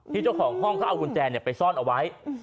เจ้าของห้องเขาเอากุญแจไปซ่อนเอาไว้